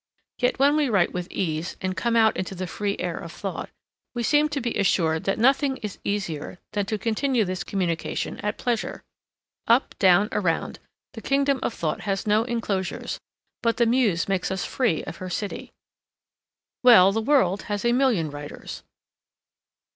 Yet when we write with ease and come out into the free air of thought, we seem to be assured that nothing is easier than to continue this communication at pleasure. Up, down, around, the kingdom of thought has no inclosures, but the Muse makes us free of her city. Well, the world has a million writers.